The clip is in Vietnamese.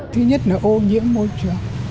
thứ nhất là ô nhiễm môi trường